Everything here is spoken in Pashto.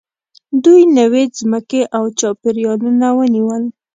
دوی نوې ځمکې او چاپېریالونه ونیول.